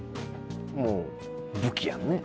もう武器やんね。